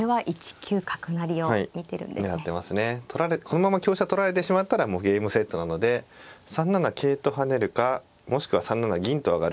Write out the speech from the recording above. このまま香車取られてしまったらもうゲームセットなので３七桂と跳ねるかもしくは３七銀と上がるか。